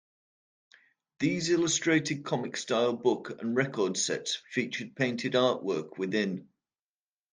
These illustrated comic-style book and record sets featured painted artwork within.